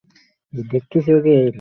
হ্যাঁ, বন্ধু, করতাম।